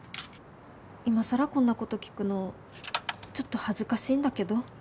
今更こんなこと聞くのちょっと恥ずかしいんだけど。